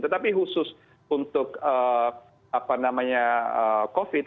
tetapi khusus untuk covid